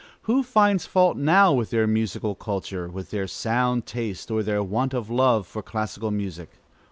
Who finds fault now with their musical culture, with their sound taste, or their want of love for classical music?